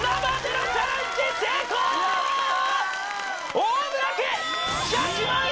大村家１００万円